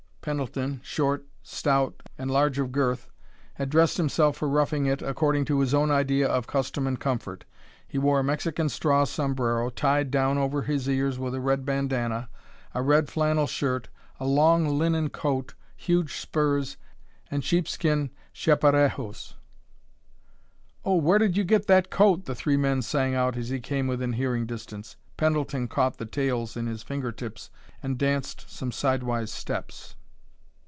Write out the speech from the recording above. Pendleton, short, stout, and large of girth, had dressed himself for roughing it according to his own idea of custom and comfort. He wore a Mexican straw sombrero tied down over his ears with a red bandanna, a red flannel shirt, a long linen coat, huge spurs, and sheepskin chaparejos. "Oh, where did you get that coat?" the three men sang out as he came within hearing distance. Pendleton caught the tails in his finger tips and danced some sidewise steps.